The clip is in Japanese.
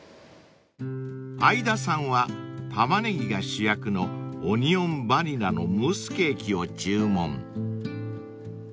［相田さんはタマネギが主役のオニオンバニラのムースケーキを注文］